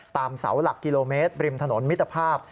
เสาหลักกิโลเมตรริมถนนมิตรภาพ